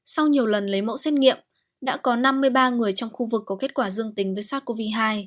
sau nhiều lần lấy mẫu xét nghiệm đã có năm mươi ba người trong khu vực có kết quả dương tính với sars cov hai